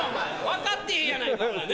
分かってへんやないかい！